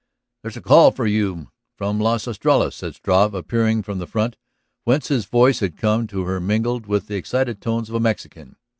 "There's a call for you from Las Estrellas," said Struve, appearing from the front, whence his voice had come to her mingled with the excited tones of a Mexican.